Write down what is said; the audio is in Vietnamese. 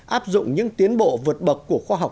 áp dụng những tiến bộ vượt bậc của khoa học